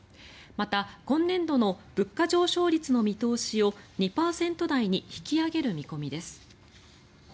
また今年度の物価上昇率の見通しを２％台に引き上げる見込みです。